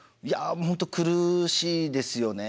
もう本当に苦しいですよね。